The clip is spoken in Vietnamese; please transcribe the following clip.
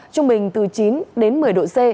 trung bình từ chín đến một mươi độ c